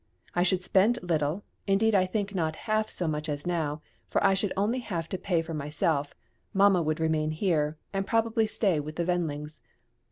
I should spend little, indeed I think not half so much as now, for I should only have to pay for myself; mamma would remain here, and probably stay with the Wendlings.